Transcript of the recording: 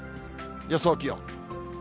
予想気温。